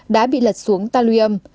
đã bị lật xuống talium